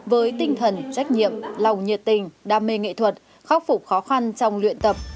với tinh thần trách nhiệm lòng nhiệt tình đam mê nghệ thuật khắc phục khó khăn trong luyện tập